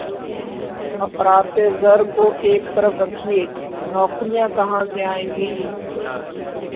افراط زر کو ایک طرف رکھیے، نوکریاں کہاں سے آئیں گی؟